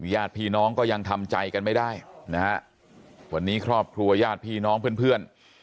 ญาติพี่น้องก็ยังทำใจกันไม่ได้นะฮะวันนี้ครอบครัวญาติพี่น้องเพื่อน